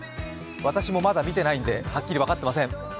私もまだ見てないんではっきり分かっていません。